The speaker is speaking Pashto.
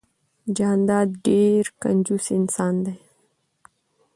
جانداد ډیررر کنجوس انسان ده